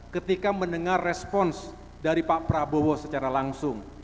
ketika mendengar respons dari pak prabowo secara langsung